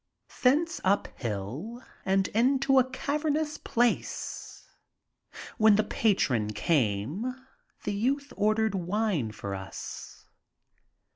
Thence uphill and into a cavernous place. When the patron came the youth ordered wine for us.